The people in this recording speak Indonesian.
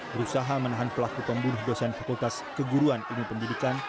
berusaha menahan pelaku pembunuh dosen fakultas keguruan unipendidikan